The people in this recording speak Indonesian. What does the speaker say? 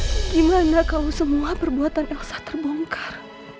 bagaimana kau semua perbuatan elsa terbongkar